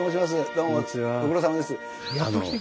どうもご苦労さまです。